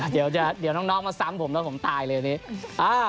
เดี๋ยวน้องมาซ้ำผมแล้วผมตายเลยอันนี้